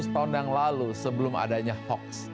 seribu empat ratus tahun yang lalu sebelum adanya hoax